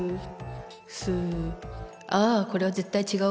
あこれは絶対違うわ。